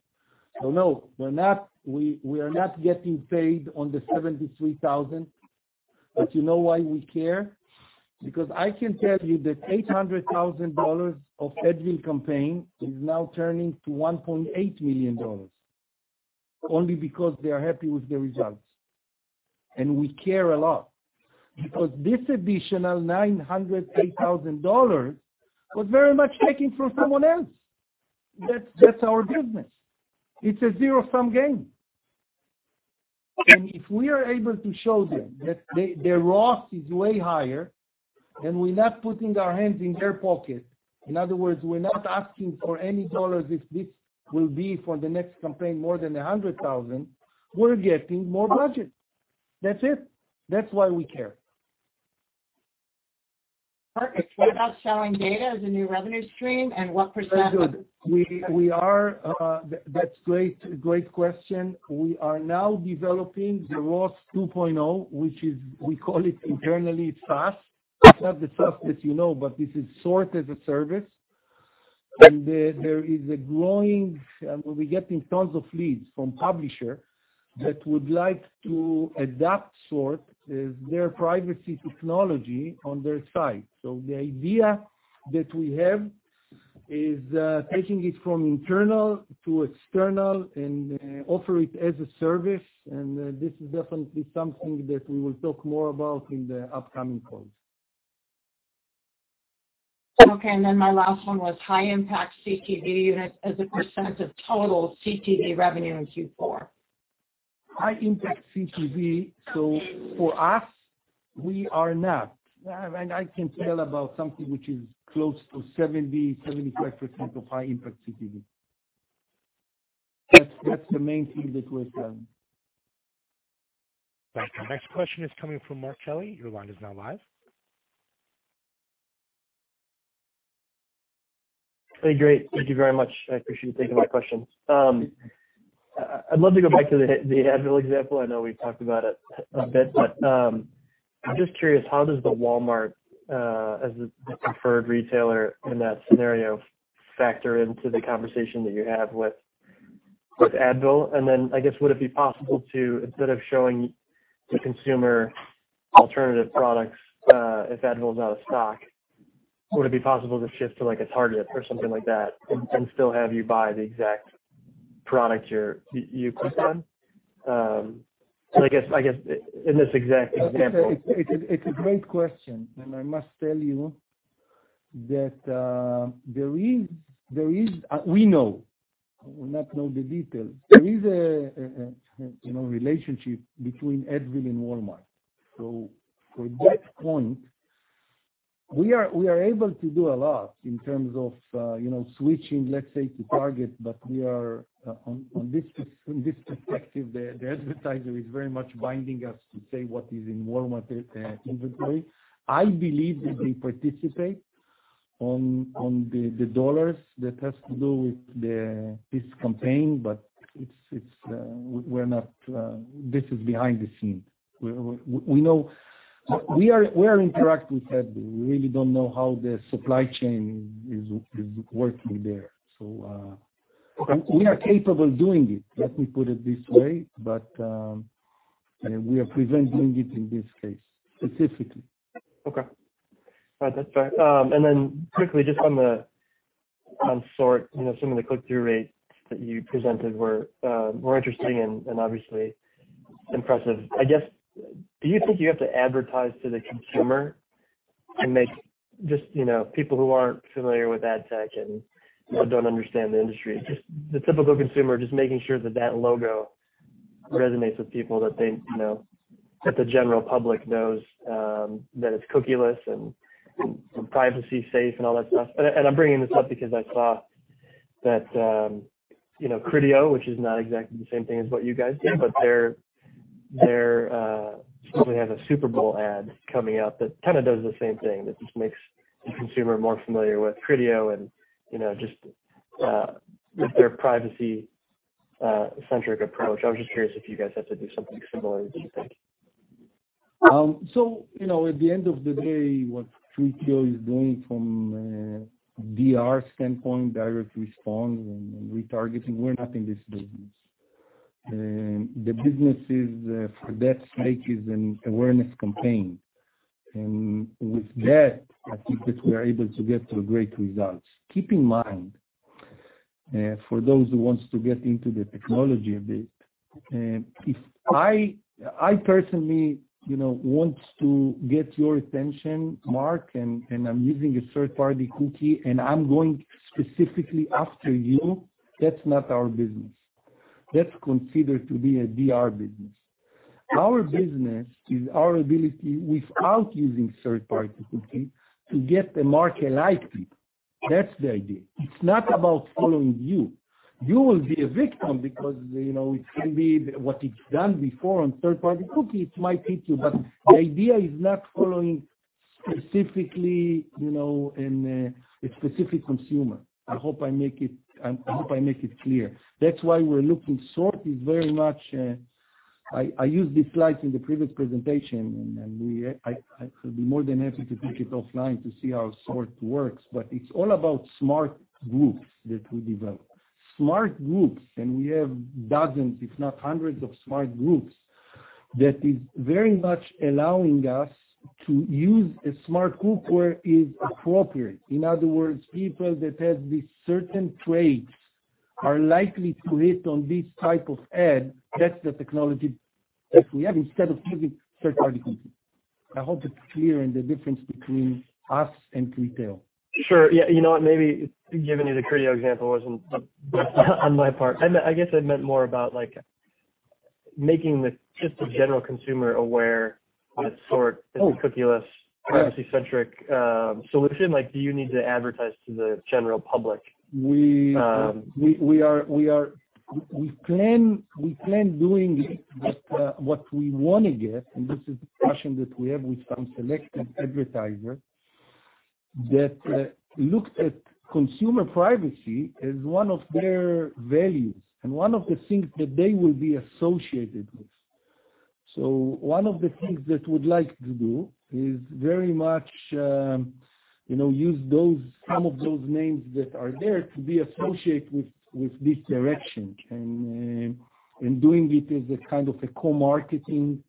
No, we're not, we are not getting paid on the 73,000. You know why we care? Because I can tell you that $800,000 of Advil campaign is now turning to $1.8 million, only because they are happy with the results. We care a lot because this additional $908,000 was very much taken from someone else. That's our business. It's a zero-sum game. If we are able to show them that their loss is way higher, and we're not putting our hands in their pocket. In other words, we're not asking for any dollars, if this will be for the next campaign, more than 100,000, we're getting more budget. That's it. That's why we care. Perfect. What about selling data as a new revenue stream and what percent? That's great. Great question. We are now developing the SORT 2.0, which we call it internally SaaS. It's not the SaaS that you know, but this is SORT as a service. We're getting tons of leads from publisher that would like to adopt SORT as their privacy technology on their site. The idea that we have is taking it from internal to external and offer it as a service. This is definitely something that we will talk more about in the upcoming calls. Okay. My last one was high impact CTV units as a percent of total CTV revenue in Q4. High impact CTV. For us, we are not. I can tell about something which is close to 70%+ of high impact CTV. That's the main thing that we've done. Thank you. Next question is coming from Mark Kelley. Your line is now live. Hey, great. Thank you very much. I appreciate you taking my question. I'd love to go back to the Advil example. I know we've talked about it a bit, but I'm just curious, how does the Walmart as the preferred retailer in that scenario factor into the conversation that you have with Advil? And then I guess, would it be possible to, instead of showing the consumer alternative products, if Advil is out of stock, would it be possible to shift to like a Target or something like that and still have you buy the exact product you clicked on? So I guess in this exact example It's a great question. I must tell you that there is. We know, we do not know the details. There is a you know relationship between Advil and Walmart. For that point, we are able to do a lot in terms of you know switching, let's say, to Target. We are on this perspective, the advertiser is very much binding us to say what is in Walmart inventory. I believe that they participate in the dollars that has to do with this campaign. It's, we're not, this is behind the scenes. We know. We are interacting with Advil. We really don't know how the supply chain is working there. We are capable of doing it, let me put it this way, but we are presenting it in this case, specifically. Okay. All right. That's fair. Then quickly, just on SORT, you know, some of the click-through rates that you presented were interesting and obviously impressive. I guess, do you think you have to advertise to the consumer and make, you know, people who aren't familiar with ad tech and or don't understand the industry, just the typical consumer, just making sure that that logo resonates with people that they, you know, that the general public knows that it's cookieless and privacy safe and all that stuff. I'm bringing this up because I saw that, you know, Criteo, which is not exactly the same thing as what you guys do, but they're supposedly have a Super Bowl ad coming out that kind of does the same thing. That just makes the consumer more familiar with Criteo and, you know, just, with their privacy-centric approach. I was just curious if you guys had to do something similar, do you think? You know, at the end of the day, what Criteo is doing from a DR standpoint, direct response and retargeting, we're not in this business. The business is, for that sake, an awareness campaign. With that, I think that we are able to get to great results. Keep in mind, for those who wants to get into the technology a bit, if I personally, you know, want to get your attention, Mark, and I'm using a third-party cookie, and I'm going specifically after you, that's not our business. That's considered to be a DR business. Our business is our ability without using third-party cookies to get the market lightly. That's the idea. It's not about following you. You will be a victim because, you know, it can be what it's done before on third-party cookies, it might hit you, but the idea is not following specifically, you know, in a specific consumer. I hope I make it clear. That's why we're looking. SORT is very much. I use this slide in the previous presentation. I will be more than happy to take it offline to see how SORT works. It's all about smart groups that we develop. Smart groups, and we have dozens, if not hundreds of smart groups, that is very much allowing us to use a smart group where it is appropriate. In other words, people that have these certain traits are likely to hit on this type of ad, that's the technology that we have instead of using third-party companies. I hope it's clear in the difference between us and Criteo. Sure. Yeah. You know what, maybe giving you the Criteo example wasn't on my part. I guess I meant more about like making just the general consumer aware of this sort, this cookieless privacy-centric solution. Like, do you need to advertise to the general public? We plan doing what we wanna get, and this is a discussion that we have with some selected advertisers that look at consumer privacy as one of their values and one of the things that they will be associated with. One of the things that we'd like to do is very much, you know, use some of those names that are there to be associated with this direction, and doing it as a kind of a co-marketing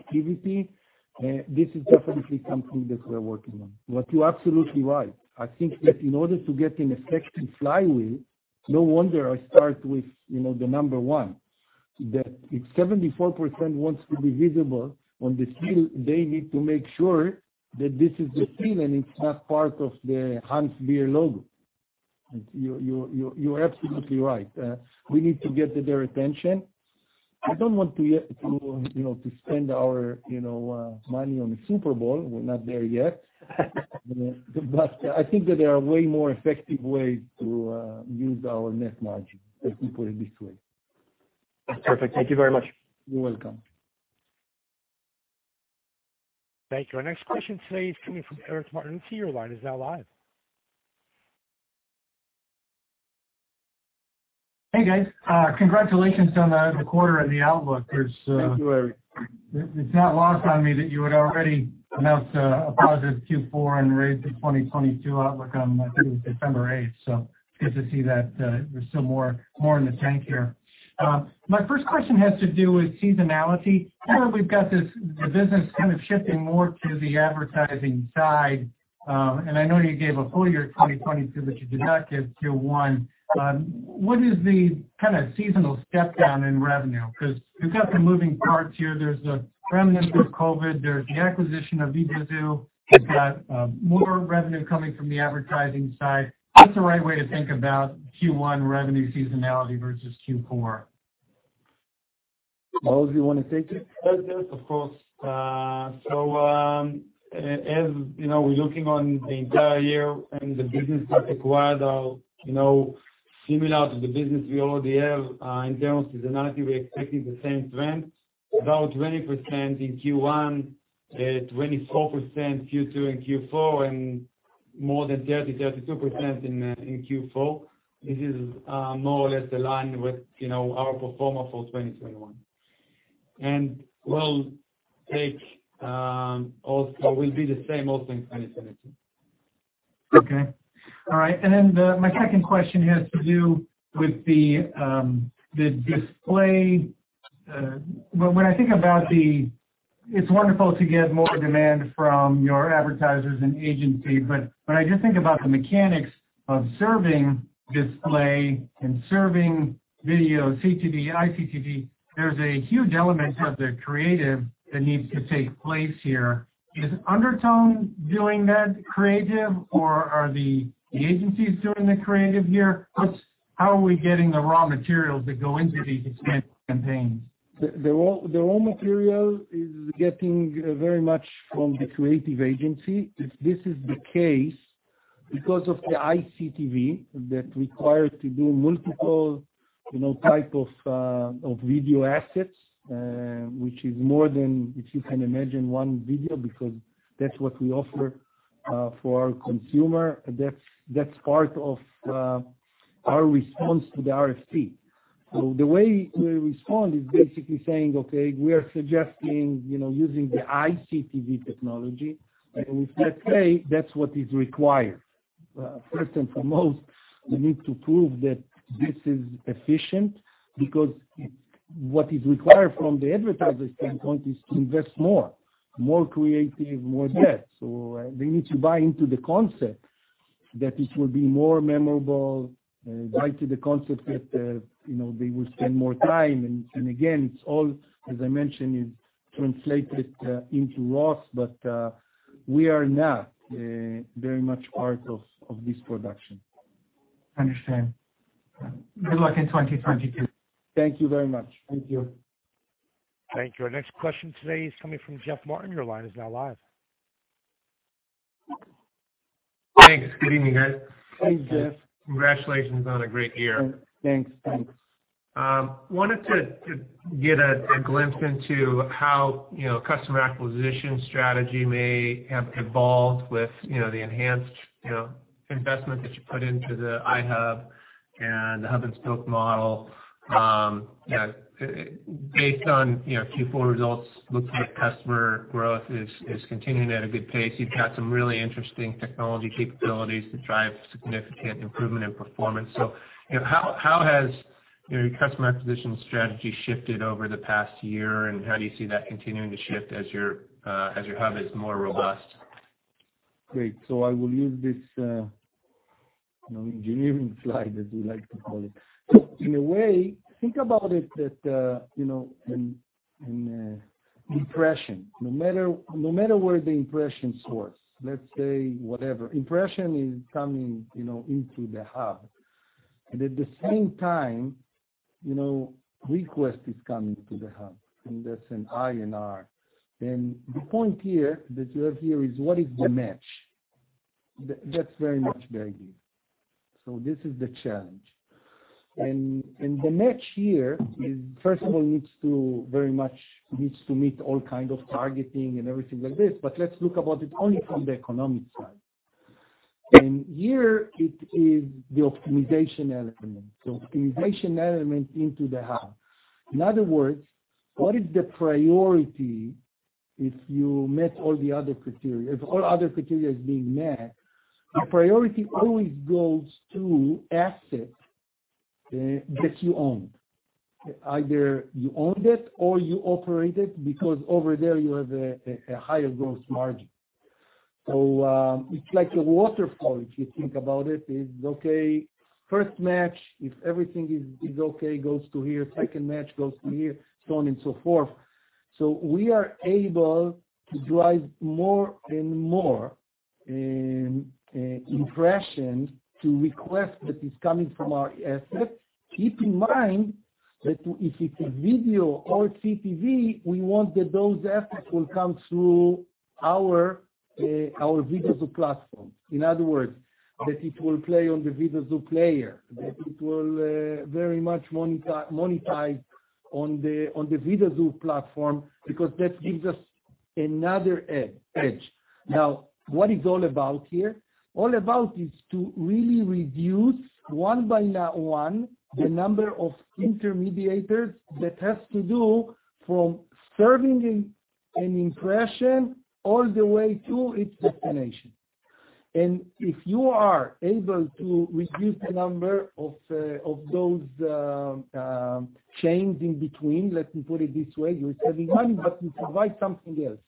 activity. This is definitely something that we're working on. You're absolutely right. I think that in order to get an effective flywheel, no wonder I start with, you know, the number one, that if 74% wants to be visible on the screen, they need to make sure that this is the screen and it's not part of the Heineken beer logo. You're absolutely right. We need to get their attention. I don't want to, you know, spend our, you know, money on the Super Bowl. We're not there yet. I think that there are way more effective ways to use our net margin, let me put it this way. That's perfect. Thank you very much. You're welcome. Thank you. Our next question today is coming from Eric Martinuzzi. Your line is now live. Hey, guys. Congratulations on the quarter and the outlook. Thank you, Eric. It's not lost on me that you had already announced a positive Q4 and raised the 2022 outlook on, I think, December eighth. Good to see that, there's still more in the tank here. My first question has to do with seasonality. Now that we've got this, the business kind of shifting more to the advertising side, and I know you gave a full year of 2022, but you did not give Q1, what is the kinda seasonal step down in revenue? Because you've got some moving parts here. There's a remnant of COVID, there's the acquisition of Vidazoo. You've got, more revenue coming from the advertising side. What's the right way to think about Q1 revenue seasonality versus Q4? Maoz, you wanna take it? Yes. Yes, of course. As you know, we're looking at the entire year and the businesses that we acquired are, you know, similar to the business we already have in terms of seasonality. We're expecting the same trend, about 20% in Q1, 24% Q2 and Q4, and more than 32% in Q4. This is more or less aligned with, you know, our performance for 2021. It will also be the same in 2022. My second question has to do with the display. It's wonderful to get more demand from your advertisers and agency, but when I just think about the mechanics of serving display and serving video, CTV, ICTV, there's a huge element of the creative that needs to take place here. Is Undertone doing that creative or are the agencies doing the creative here? How are we getting the raw materials that go into these display campaigns? The raw material is getting very much from the creative agency. This is the case because of the ICTV that requires to do multiple types of video assets, which is more than, if you can imagine, one video because that's what we offer for our consumer. That's part of our response to the RFP. The way we respond is basically saying, "Okay, we are suggesting, you know, using the ICTV technology." With [NetPay, that's what is required. First and foremost, we need to prove that this is efficient because what is required from the advertiser standpoint is to invest more creative, more data. They need to buy into the concept that it will be more memorable, buy into the concept that, you know, they will spend more time. Again, it's all, as I mentioned, is translated into loss. We are not very much part of this production. Understand. Good luck in 2022. Thank you very much. Thank you. Thank you. Our next question today is coming from Jeff Martin. Your line is now live. Thanks. Good evening, guys. Hey, Jeff. Congratulations on a great year. Thanks. Thanks. Wanted to get a glimpse into how, you know, customer acquisition strategy may have evolved with, you know, the enhanced, you know, investment that you put into the iHub and the hub-and-spoke model. You know, based on, you know, Q4 results, looks like customer growth is continuing at a good pace. You've got some really interesting technology capabilities to drive significant improvement in performance. You know, how has, you know, your customer acquisition strategy shifted over the past year, and how do you see that continuing to shift as your hub is more robust? Great. I will use this, you know, engineering slide, as we like to call it. In a way, think about it that, you know, in impression, no matter where the impression source, let's say whatever impression is coming, you know, into the hub, and at the same time, you know, request is coming to the hub, and that's an I and R. Then the point here that you have here is what is the match? That's very much the idea. This is the challenge. The match here is, first of all, needs to very much meet all kinds of targeting and everything like this. But let's look about it only from the economic side. Here it is the optimization element into the hub. In other words, what is the priority if you met all the other criteria? If all other criteria is being met, the priority always goes to assets that you own. Either you own it or you operate it, because over there, you have a higher gross margin. It's like a waterfall, if you think about it. It's okay, first match, if everything is okay, goes to here, second match goes to here, so on and so forth. We are able to drive more and more impression to request that is coming from our assets. Keep in mind that if it's a video or CTV, we want that those assets will come through our Vidazoo platform. In other words, that it will play on the Vidazoo player, that it will very much monetize on the Vidazoo platform, because that gives us another edge. Now, what it's all about here is to really reduce one by one the number of intermediator that has to do from serving an impression all the way to its destination. If you are able to reduce the number of those chains in between, let me put it this way, you're saving money, but you provide something else.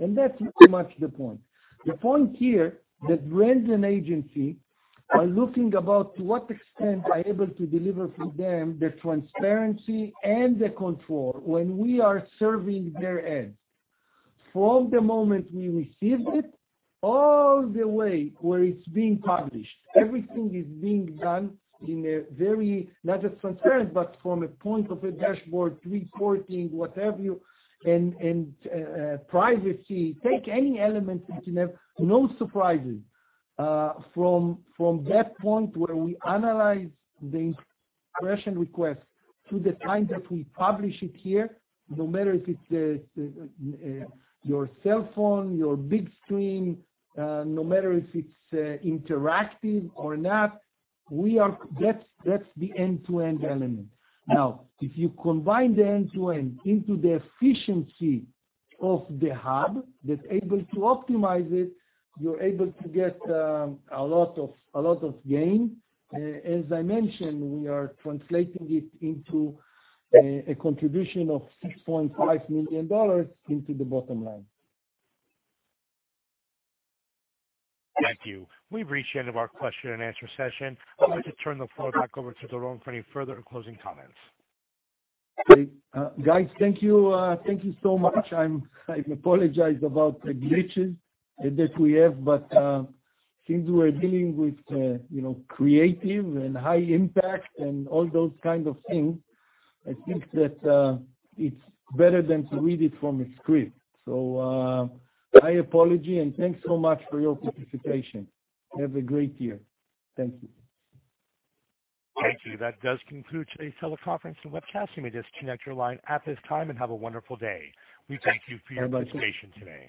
That's pretty much the point. The point here is that brands and agencies are looking to what extent we are able to deliver to them the transparency and the control when we are serving their ads. From the moment we received it, all the way where it's being published, everything is being done in a very not just transparent, but from a point of a dashboard, reporting, whatever you, privacy, take any element that you have, no surprises. From that point where we analyze the impression request to the time that we publish it here, no matter if it's your cell phone, your big screen, no matter if it's interactive or not, that's the end-to-end element. Now, if you combine the end-to-end into the efficiency of the hub that's able to optimize it, you're able to get a lot of gain. As I mentioned, we are translating it into a contribution of $6.5 million into the bottom line. Thank you. We've reached the end of our question and answer session. I'd like to turn the floor back over to Doron for any further closing comments. Great. Guys, thank you. Thank you so much. I apologize about the glitches that we have, but since we're dealing with you know, creative and high impact and all those kind of things, I think that it's better than to read it from a script. My apology and thanks so much for your participation. Have a great year. Thank you. Thank you. That does conclude today's teleconference and webcast. You may disconnect your line at this time and have a wonderful day. We thank you for your participation today.